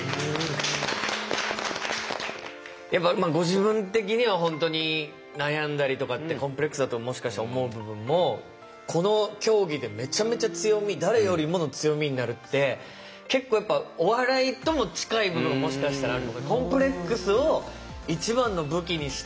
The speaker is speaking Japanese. やっぱご自分的には本当に悩んだりとかってコンプレックスだともしかして思う部分もこの競技でめちゃめちゃ強み誰よりもの強みになるって結構やっぱお笑いとも近い部分がもしかしたらある。